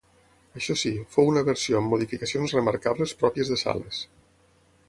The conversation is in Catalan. Això sí, fou una versió amb modificacions remarcables pròpies de Sales.